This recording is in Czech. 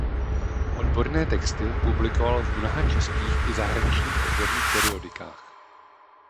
Odborné texty publikoval v mnoha českých i zahraničních odborných periodikách.